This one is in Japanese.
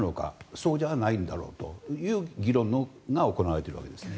そうじゃないんだろうという議論が行われているわけですね。